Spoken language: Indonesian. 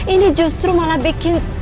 ini justru malah bikin